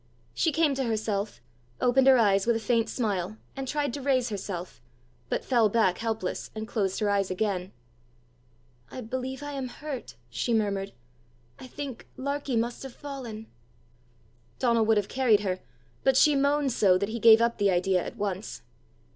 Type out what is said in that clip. She came to herself, opened her eyes with a faint smile, and tried to raise herself, but fell back helpless, and closed her eyes again. "I believe I am hurt!" she murmured. "I think Larkie must have fallen!" Donal would have carried her, but she moaned so, that he gave up the idea at once.